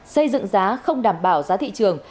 xây dựng giá không đảm bảo giá thị trường